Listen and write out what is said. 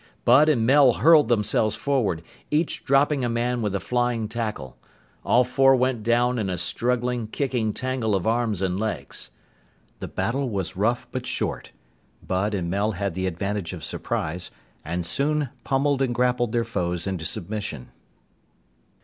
Bud and Mel hurled themselves forward, each dropping a man with a flying tackle. All four went down in a struggling, kicking tangle of arms and legs. The battle was rough but short. Bud and Mel had the advantage of surprise, and soon pommeled and grappled their foes into submission.